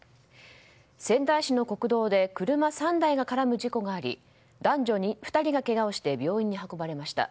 仙台市の国道で車３台が絡む事故があり男女２人がけがをして病院に運ばれました。